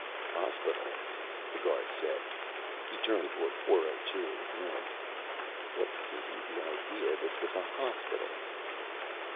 "Hospital?" the guard said. He turned toward 402 and grinned. "What gave you the idea this was a hospital?"